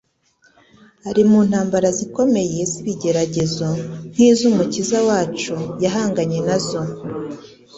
ari mu ntambara zikomeye z'ibigeragezo nk'iz'Umukiza wacu yahanganye na zo.